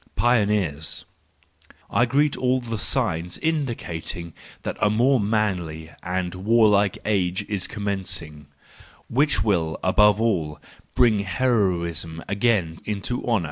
Pioneers .—I greet all the signs indicating that a more manly and warlike age is commencing, which will, above all, bring heroism again into honour!